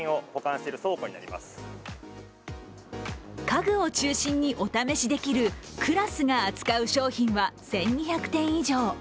家具を中心にお試しできるＣＬＡＳが扱う商品は１２００点以上。